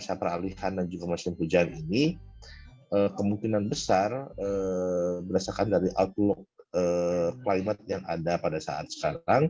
kemungkinan besar berdasarkan dari outlook